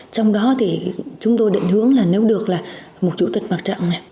trong đó thì chúng tôi định hướng là nếu được là một chủ tịch mặt trận này